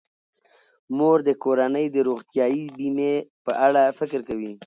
مور د کورنۍ د روغتیايي بیمې په اړه فکر کوي.